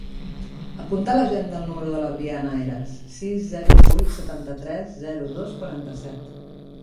Apunta a l'agenda el número de la Briana Heras: sis, zero, vuit, setanta-tres, zero, dos, quaranta-set.